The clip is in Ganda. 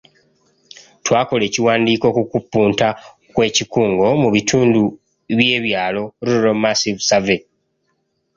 Twakola ekiwandiiko ku kupunta kw’ekikungo mu bitundu by’ebyalo ‘rural Massive Survey’.